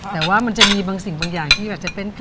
แต่ว่ามันจะมีบางสิ่งบางอย่างที่แบบจะเป็น